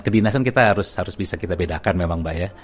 kedinasan kita harus bisa kita bedakan memang mbak ya